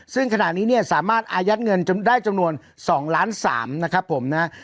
ซึ่งขณะนี้เนี่ยสามารถอายัดเงินได้จำนวน๒ล้าน๓นะครับผมนะ